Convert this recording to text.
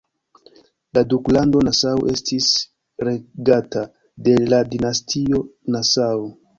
La duklando Nassau estis regata de la dinastio Nassau.